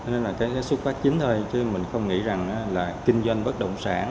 nên là cái xuất phát chính thôi chứ mình không nghĩ rằng là kinh doanh bất động sản